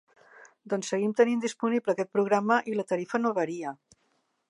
Doncs seguim tenint disponible aquest programa i la tarifa no varia.